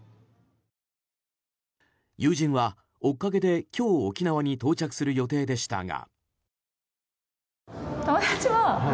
友人は、追っかけで今日沖縄に到着する予定でしたが。